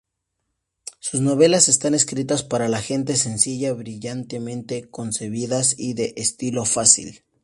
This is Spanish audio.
Sus novelas están escritas para la gente sencilla, brillantemente concebidas y de estilo fácil.